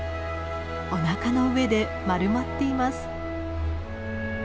おなかの上で丸まっています。